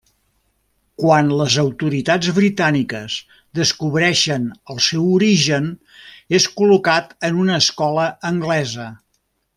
Quan les autoritats britàniques descobreixen el seu origen, és col·locat en una escola anglesa.